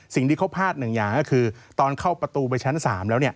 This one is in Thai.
สิ่งที่เขาพลาดหนึ่งอย่างก็คือตอนเข้าประตูไปชั้น๓แล้ว